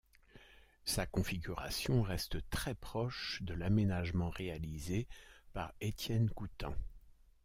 Sa configuration reste très proche de l'aménagement réalisé par Étienne Coutan.